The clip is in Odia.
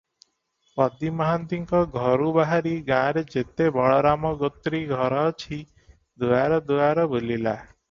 ପଦୀ ମହାନ୍ତିଙ୍କ ଘରୁ ବାହାରି ଗାଁରେ ଯେତେ ବଳରାମଗୋତ୍ରୀ ଘର ଅଛି, ଦୁଆର ଦୁଆର ବୁଲିଲା ।